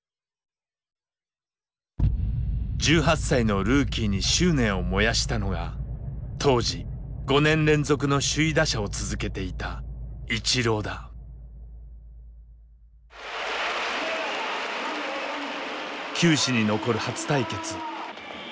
１８歳のルーキーに執念を燃やしたのが当時５年連続の首位打者を続けていた球史に残る初対決。